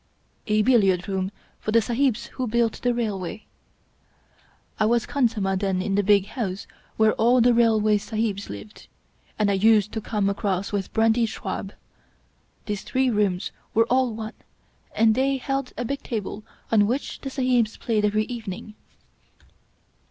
" A billiard room for the Sahibs who built the Railway. I was khansamah then in the big house where all the Rail way Sahibs lived, and I used to come across with brandy shrab. These three rooms were all one, and they held a big table on which the Sahibs played every evening.